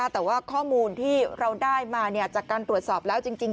แต่ว่าข้อมูลที่เราได้มาจากการตรวจสอบแล้วจริง